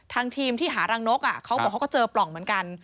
ทีมที่หารังนกเขาบอกเขาก็เจอปล่องเหมือนกัน